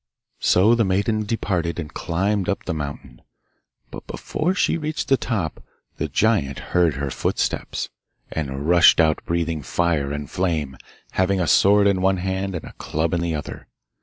So the maiden departed and climbed up the mountain, but before she reached the top the giant heard her footsteps, and rushed out breathing fire and flame, having a sword in one hand and a club in the other.